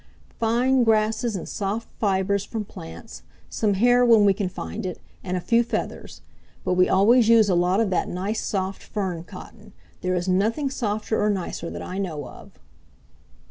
"Fine grasses and soft fibers from plants, some hair when we can find it, and a few feathers. But we always use a lot of that nice soft fern cotton. There is nothing softer or nicer that I know of."